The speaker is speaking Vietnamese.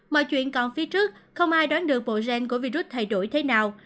mọi chuyện còn phía trước không ai đoán được bộ gen của virus thay đổi thế nào